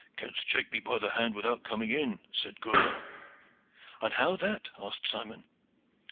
'Canst shake me by the hand without coming in,' said Gourval. 'And how that?' asked Simon.